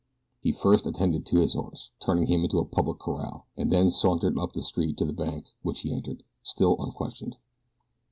He first attended to his horse, turning him into a public corral, and then sauntered up the street to the bank, which he entered, still unquestioned.